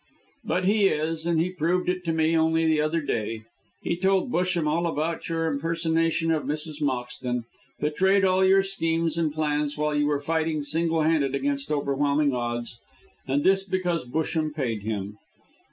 "But he is, and he proved it to me only the other day. He told Busham all about your impersonation of Mrs. Moxton; betrayed all your schemes and plans while you were fighting single handed against overwhelming odds; and this because Busham paid him.